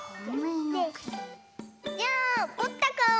じゃんおこったかお！